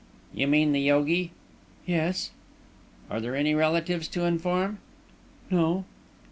"You mean the yogi?" "Yes." "Are there any relatives to inform?" "No."